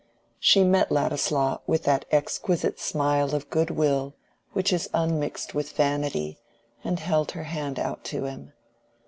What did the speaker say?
She met Ladislaw with that exquisite smile of good will which is unmixed with vanity, and held out her hand to him.